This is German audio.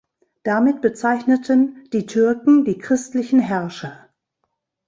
Damit bezeichneten die Türken die christlichen Herrscher.